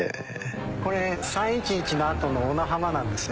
これ３．１１のあとの小名浜なんですよ。